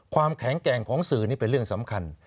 ความแข็งแกร่งของสื่อนี่เป็นเรื่องสำคัญ